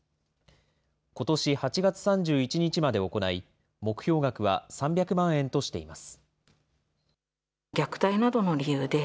ことし８月３１日まで行い、目標額は３００万円としています。